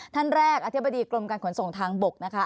ท่านแรกอธิบดีกรมการขนส่งทางบกนะคะ